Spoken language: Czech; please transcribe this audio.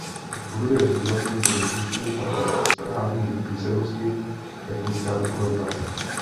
V budově ředitelství byly zničeny také správní písemnosti a technická dokumentace.